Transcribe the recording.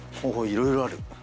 いろいろある。